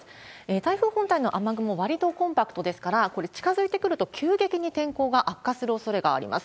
台風本体の雨雲、わりとコンパクトですから、これ、近づいてくると急激に天候が悪化するおそれがあります。